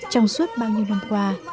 trong suốt bao nhiêu năm qua